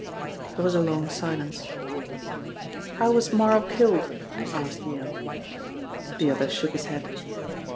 There was a long silence. "How was Marl killed?" asked Yale. The other shook his head.